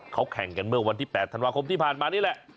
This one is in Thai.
เขาแข่งกันเมื่อวันที่๘ธันวาคมที่ผ่านมานี่แหละ